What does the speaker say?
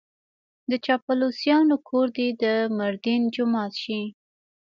د چاپلوسانو کور دې د ميردين جومات شي.